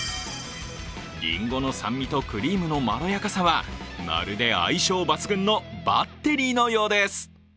りんごの酸味とクリームのまろやかさはまるで相性抜群のバッテリーのようです。